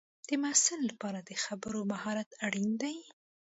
د محصل لپاره د خبرو مهارت اړین دی.